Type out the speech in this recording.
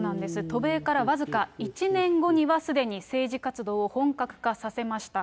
渡米から僅か１年後にはすでに政治活動を本格化させました。